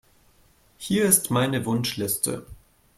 Hier ist meine Wunschliste.